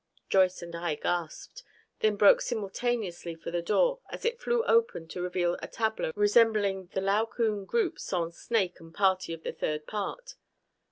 Joyce and I gasped, then broke simultaneously for the door as it flew open to reveal a tableau resembling the Laocoon group sans snake and party of the third part.